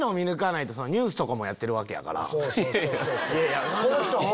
いやいや。